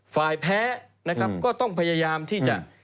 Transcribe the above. ฝ่ายแพ้ก็ต้องพยายามที่จะ